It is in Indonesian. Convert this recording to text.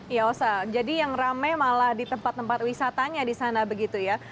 ya osa jadi yang ramai malah di tempat tempat wisatanya di sana begitu ya